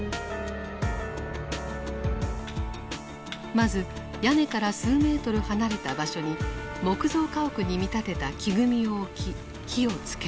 まず屋根から数ｍ離れた場所に木造家屋に見立てた木組みを置き火をつける。